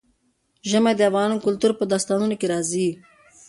ژمی د افغان کلتور په داستانونو کې راځي.